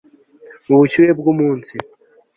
mu bushyuhe bwumunsi